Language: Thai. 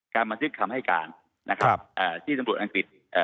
บันทึกคำให้การนะครับเอ่อที่ตำรวจอังกฤษเอ่อ